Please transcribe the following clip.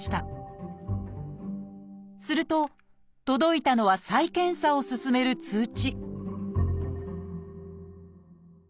すると届いたのは再検査を勧める通知